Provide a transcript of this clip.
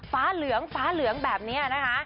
ฟ้าเหลืองฟ้าเหลืองแบบนี้นะคะ